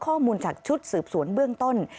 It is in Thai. ข้อมูลจากชุดสืบสวนเบื้องต้น